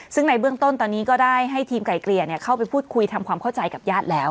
ซึ่งในเบื้องต้นตอนนี้ก็ได้ให้ทีมไกลเกลี่ยเข้าไปพูดคุยทำความเข้าใจกับญาติแล้ว